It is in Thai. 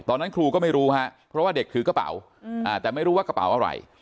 ตอนนั้นครูก็ไม่รู้ฮะเพราะว่าเด็กถือกระเป๋าแต่ไม่รู้ว่ากระเป๋าอะไร